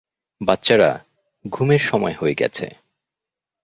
বাচ্চারা, ঘুমের সময় হয়ে গেছে।